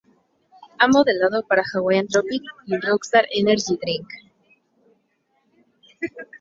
Ha modelado para Hawaiian Tropic y Rockstar Energy Drink.